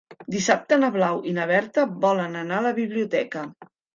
Dissabte na Blau i na Berta volen anar a la biblioteca.